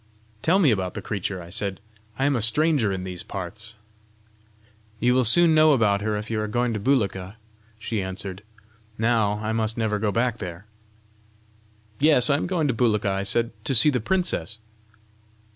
"Tell me about the creature," I said; "I am a stranger in these parts." "You will soon know about her if you are going to Bulika!" she answered. "Now, I must never go back there!" "Yes, I am going to Bulika," I said, " to see the princess."